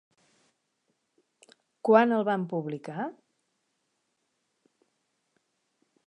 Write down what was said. Quan el van publicar?